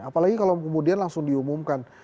apalagi kalau kemudian langsung diumumkan